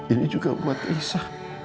ini juga buat gaisa